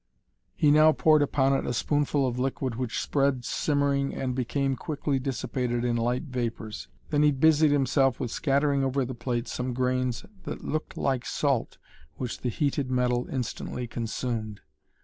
He now poured upon it a spoonful of liquid which spread simmering and became quickly dissipated in light vapors. Then he busied himself with scattering over the plate some grains that looked like salt which the heated metal instantly consumed.